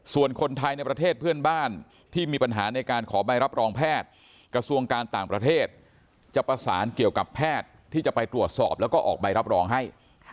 ส่วนคนไทยในประเทศเพื่อนบ้านที่มีปัญหาในการขอใบรับรองแพทย์กระทรวงการต่างประเทศจะประสานเกี่ยวกับแพทย์ที่จะไปตรวจสอบแล้วก็ออกใบรับรองให้